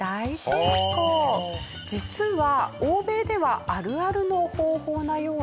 実は欧米ではあるあるの方法なようで。